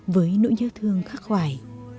với nỗi nhớ thương khắc hoài